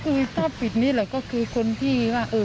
ก็คือถ้าปิดเนี้ยแหละก็คือคนที่ว่าเออ